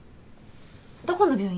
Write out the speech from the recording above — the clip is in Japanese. どこの病院？